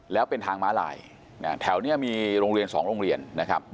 แล้วเป็นทางม้าลายแถวนี้มีโรงเรียน๒โรงเรียนนะครับ